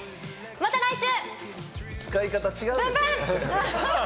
また来週！